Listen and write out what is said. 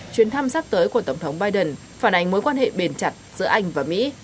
chuyến thăm sắp tới của tổng thống biden phản ánh mối quan hệ bền chặt giữa anh và mỹ